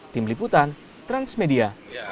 tim liputan transmedia